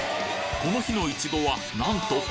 この日のいちごはなんと！